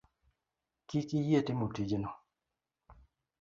Kik iyie timo tijno?